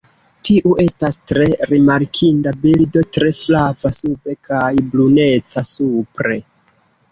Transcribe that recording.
Tiu estas tre rimarkinda birdo tre flava sube kaj bruneca supre.